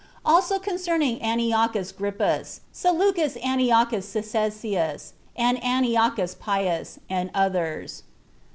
Also Concerning Antiochus Grypus, Seleucus Antiochus Cyzicenus, and Antiochus Pius, and Others.